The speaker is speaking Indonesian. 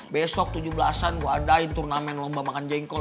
besok tujuh belas an gue adain turnamen lomba makan jengkol